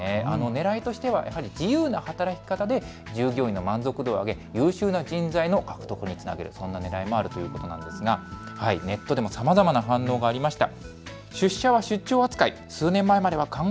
ねらいとしては自由な働き方で従業員の満足度を上げ優秀な人材の獲得につなげる、そんなねらいもあるということなんですがネットでもさまざまな反応がありました。